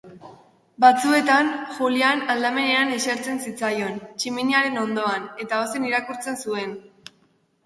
Batzuetan Julian aldamenean esertzen zitzaion, tximiniaren ondoan, eta ozen irakurtzen zuen.